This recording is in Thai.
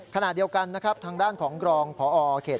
ขณะเดียวกันนะครับทางด้านของกรองพอเขต